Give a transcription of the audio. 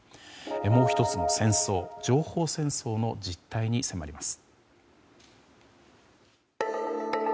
もう１つの戦争情報戦争の実態に迫ります。